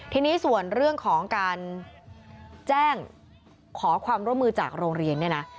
ทีนี้ส่วนเรื่องของการแจ้งขอความร่วมมือจากโรงเรียนเนี่ยนะ